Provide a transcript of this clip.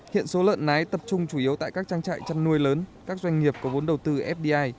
hiện số lợn nái tập trung chủ yếu tại các trang trại chăn nuôi lớn các doanh nghiệp có vốn đầu tư fdi